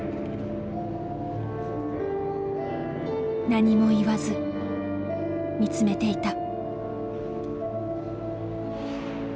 何も言わず見つめていた。